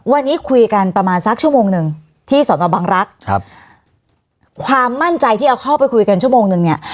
วันนี้คุยกันประมาณสักชั่วโมงหนึ่งที่สอนอบังรักษ์ครับความมั่นใจที่เอาเข้าไปคุยกันชั่วโมงนึงเนี่ย